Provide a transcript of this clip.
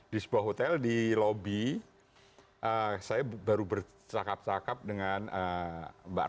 di sebuah hotel di lobi saya baru bercakap cakap dengan mbak